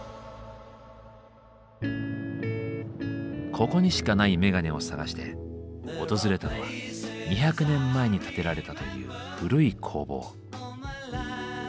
ここにしかないメガネを探して訪れたのは２００年前に建てられたという古い工房。